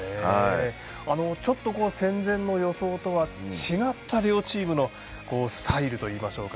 ちょっと、戦前の予想とは違った両チームのスタイルといいましょうか。